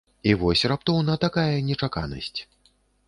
І вось раптоўна такая нечаканасць.